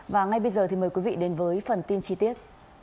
và ngay bây giờ thì mời quý vị đến với phần tin chi tiết